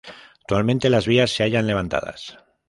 Actualmente las vías se hallan levantadas.